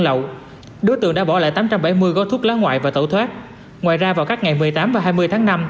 lậu đối tượng đã bỏ lại tám trăm bảy mươi gói thuốc lá ngoại và tẩu thoát ngoài ra vào các ngày một mươi tám và hai mươi tháng năm